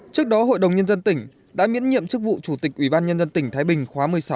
trước đó hội đồng nhân dân tỉnh đã miễn nhiệm chức vụ chủ tịch ủy ban nhân dân tỉnh thái bình khóa một mươi sáu